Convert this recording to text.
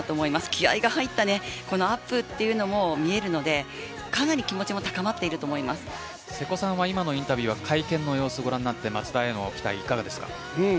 気合が入ったアップというのも見えるのでかなり気持ちも瀬古さんは今のインタビュー会見を見て松田への期待、いかがですか。